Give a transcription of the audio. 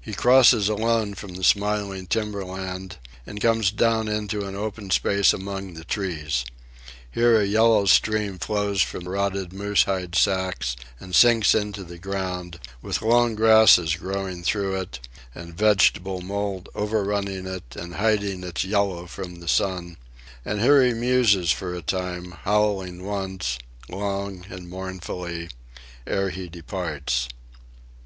He crosses alone from the smiling timber land and comes down into an open space among the trees. Here a yellow stream flows from rotted moose hide sacks and sinks into the ground, with long grasses growing through it and vegetable mould overrunning it and hiding its yellow from the sun; and here he muses for a time, howling once, long and mournfully, ere he departs.